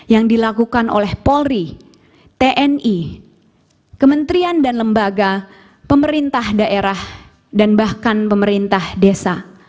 yang dilakukan oleh polri tni kementerian dan lembaga pemerintah daerah dan bahkan pemerintah desa